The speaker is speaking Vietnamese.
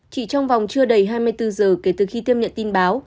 chỉ trong vòng trưa đầy hai mươi bốn h kể từ khi thêm nhận tin báo